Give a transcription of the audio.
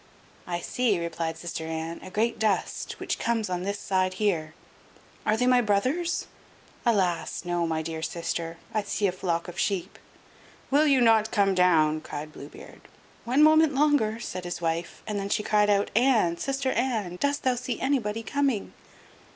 "I see," replied sister Anne, "a great dust, which comes on this side here." "Are they my brothers?" "Alas! no, my dear sister, I see a flock of sheep." "Will you not come down?" cried Blue Beard "One moment longer," said his wife, and then she cried out: "Anne, sister Anne, dost thou see nobody coming?"